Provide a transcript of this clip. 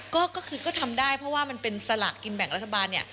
ก็คือก็ทำได้เพราะว่ามันเป็นสลากกินแบ่งรัฐบาลเนี่ย